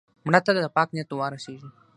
مړه ته د پاک نیت دعا رسېږي